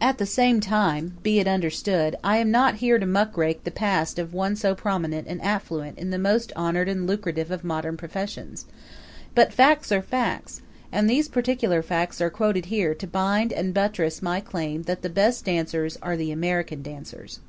At the same time, be it understood, I am not here to muckrake the past of one so prominent and affluent in the most honored and lucrative of modern professions; but facts are facts, and these particular facts are quoted here to bind and buttress my claim that the best dancers are the American dancers.